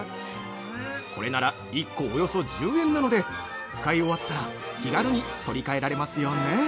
これなら１個およそ１０円なので使い終わったら気軽に取り替えられますよね。